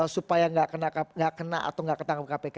supaya gak kena atau gak ketangkap kpk